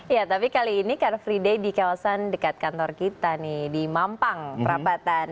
ya tapi kali ini car free day di kawasan dekat kantor kita nih di mampang perapatan